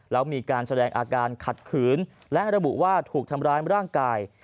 แล้วมีการแสดงอาการขัดขืนและระบุว่าถูกทำร้ายร่างกาย